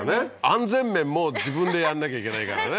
安全面も自分でやんなきゃいけないからね